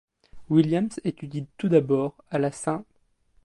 Williams étudie tout d'abord à la St.